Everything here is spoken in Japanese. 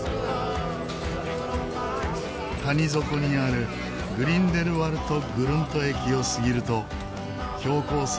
谷底にあるグリンデルワルト・グルント駅を過ぎると標高差